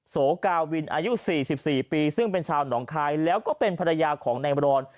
โสกาวินอายุ๔๔ปีซึ่งเป็นชาวหนองคายแล้วก็เป็นภรรยาของนายบรอน